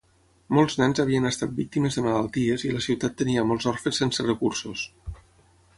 Molts nens havien estat víctimes de malalties i la ciutat tenia molts orfes sense recursos.